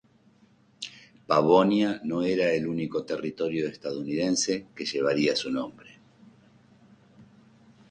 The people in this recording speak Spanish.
Pavonia no era el único territorio estadounidense que llevaría su nombre.